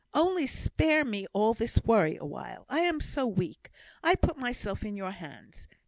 Only spare me all this worry while I am so weak. I put myself in your hands.